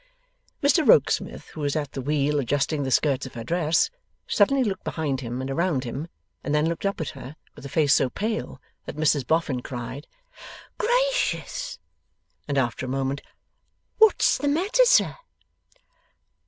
Mr Rokesmith, who was at the wheel adjusting the skirts of her dress, suddenly looked behind him, and around him, and then looked up at her, with a face so pale that Mrs Boffin cried: 'Gracious!' And after a moment, 'What's the matter, sir?